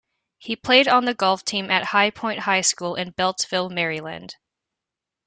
He played on the golf team at High Point High School in Beltsville, Maryland.